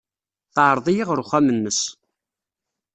Teɛreḍ-iyi ɣer uxxam-nnes.